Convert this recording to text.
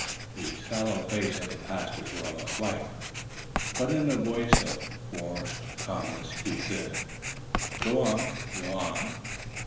The sallow face of the pastor grew almost white; but, in a voice of forced calmness, he said: "Go on go on!"